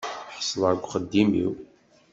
Ḥeṣleɣ deg uxeddim-iw.